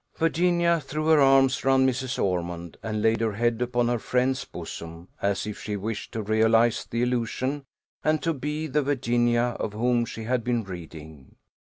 Virginia threw her arms round Mrs. Ormond, and laid her head upon her friend's bosom, as if she wished to realize the illusion, and to be the Virginia of whom she had been reading.